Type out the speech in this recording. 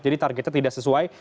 jadi targetnya tidak sesuai